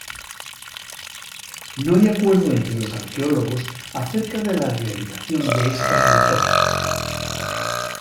No hay acuerdo entre los arqueólogos acerca de la realización de estas metopas.